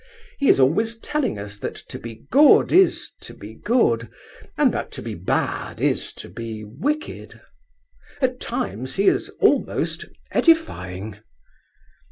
He is always telling us that to be good is to be good, and that to be bad is to be wicked. At times he is almost edifying.